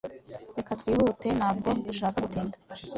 Reka twihute. Ntabwo dushaka gutinda.